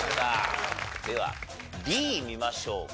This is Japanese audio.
ではＤ見ましょうか。